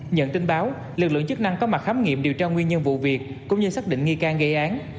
nhận tin báo lực lượng chức năng có mặt khám nghiệm điều tra nguyên nhân vụ việc cũng như xác định nghi can gây án